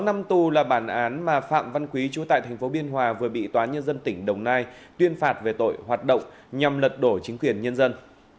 sáu năm tù là bản án mà phạm văn quý trú tại tp biên hòa vừa bị tnt đồng nai tuyên phạt về tội hoạt động nhằm lật đổ chính quyền nhân dân